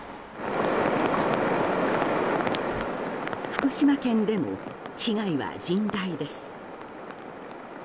福島県でも被害は甚大です。